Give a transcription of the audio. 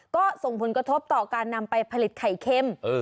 ก็ส่งผลกระทบต่อการนำไปผลิตไข่เค็ม